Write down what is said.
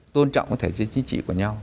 tôn trọng cái thể dân chính trị của nhà